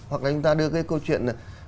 hoặc là chúng ta đưa cái câu chuyện